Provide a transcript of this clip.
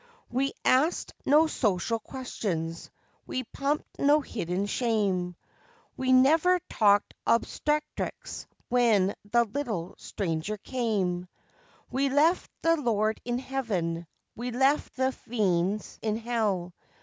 We asked no social questions we pumped no hidden shame We never talked obstetrics when the little stranger came: We left the Lord in Heaven, we left the fiends in Hell.